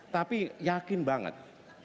tapi yakin banget